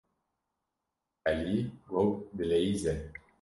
Elî gog dileyîze.